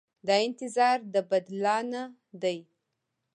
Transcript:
دا انتظار د بدلانه دی.